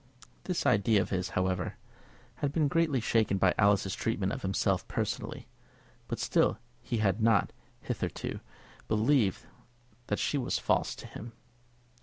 This idea of his, however, had been greatly shaken by Alice's treatment of himself personally; but still he had not, hitherto, believed that she was false to him.